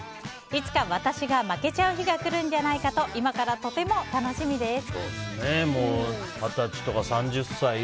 いつか私が負けちゃう日が来るんじゃないかと今からとても楽しみです。